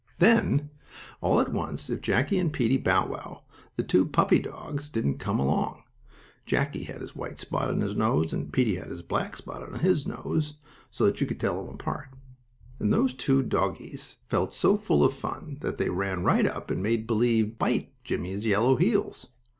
Then, all at once, if Jackie and Peetie Bow Wow, the two puppy dogs, didn't come along. Jackie had his white spot on his nose, and Peetie had his black spot on his nose, so that you could tell them apart. And those two doggies felt so full of fun that they ran right up and made believe bite Jimmie's yellow heels.